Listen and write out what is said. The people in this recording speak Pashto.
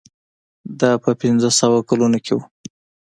دا په پنځه سوه کلونو کې و.